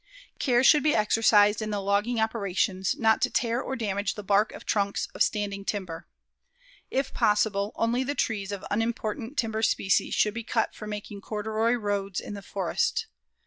Care should be exercised in the logging operations not to tear or damage the bark of trunks of standing timber. If possible, only the trees of unimportant timber species should be cut for making corduroy roads in the forests.